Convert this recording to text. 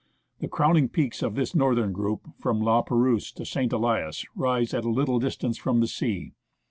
The crowning peaks of this northern group, from La Perouse to St. Elias, rise at a little distance from the sea.